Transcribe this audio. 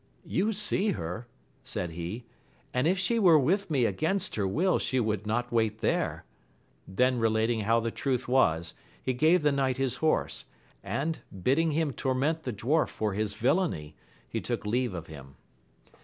You see her, said he, and if she were with me against her will she would not wait there. Then relating how the truth was, he gave the knight his horse ; and, bidding him torment the dwarf for his villainy, he took leave of him.